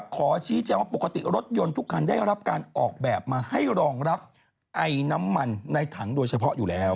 ขอชี้แจงว่าปกติรถยนต์ทุกคันได้รับการออกแบบมาให้รองรับไอน้ำมันในถังโดยเฉพาะอยู่แล้ว